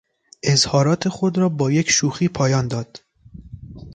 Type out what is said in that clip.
اظهارات خود را با یک شوخی پایان داد.